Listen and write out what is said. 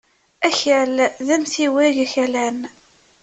Akal d amtiweg akalan.